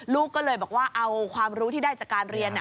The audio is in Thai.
ลูกก็เลยบอกว่าเอาความรู้ที่ได้จากการเรียน